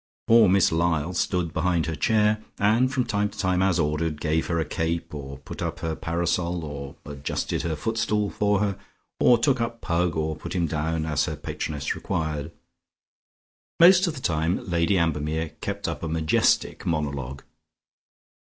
Poor Miss Lyall stood behind her chair, and from time to time as ordered, gave her a cape, or put up her parasol, or adjusted her footstool for her, or took up Pug or put him down as her patroness required. Most of the time Lady Ambermere kept up a majestic monologue.